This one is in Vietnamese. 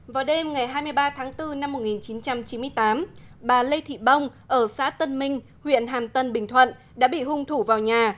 vào đêm ngày hai mươi ba tháng bốn năm một nghìn chín trăm chín mươi tám bà lê thị bông ở xã tân minh huyện hàm tân bình thuận đã bị hung thủ vào nhà